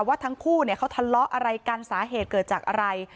ว่าทั้งคู่เขาทะเลาะอะไรกันสาเหตุเกิดจากอะไร